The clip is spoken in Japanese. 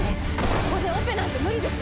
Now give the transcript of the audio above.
ここでオペなんて無理です